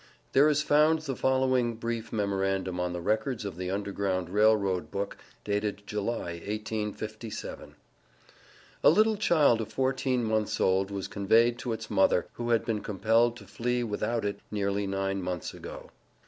There is found the following brief memorandum on the Records of the Underground Rail Road Book, dated July, 1857: "A little child of fourteen months old was conveyed to its mother, who had been compelled to flee without it nearly nine months ago."